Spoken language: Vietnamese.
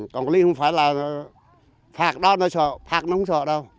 quản lý không phải là phạt đó nó sợ phạt nó không sợ đâu